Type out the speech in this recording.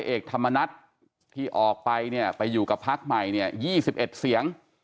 เอกธรรมนัฐที่ออกไปเนี่ยไปอยู่กับพักใหม่เนี่ย๒๑เสียง